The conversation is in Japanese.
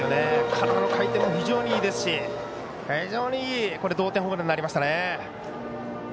体の回転も非常にいいですし非常にいい同点ホームランとなりましたね。